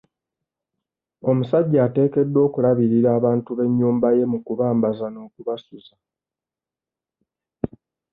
Omusajja ateekeddwa okulabirira abantu b'ennyumba ye mu kubambaza n'okubasuza.